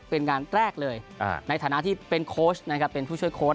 เป็นงานแรกเลยในฐานะที่เป็นโค้ชนะครับเป็นผู้ช่วยโค้